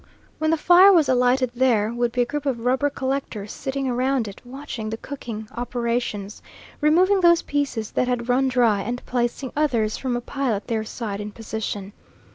When the fire was alight there would be a group of rubber collectors sitting round it watching the cooking operations, removing those pieces that had run dry and placing others, from a pile at their side, in position.